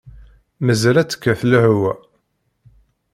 Mazal ad tekkat lehwa!